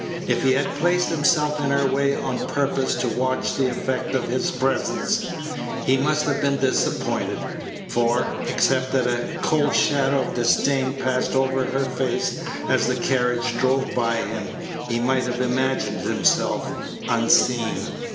If he had placed himself in her way on purpose to watch the effect of Page 81 his presence, he must have been disappointed; for, except that a cold shadow of disdain passed over her face as the carriage drove by him, he might have imagined himself unseen.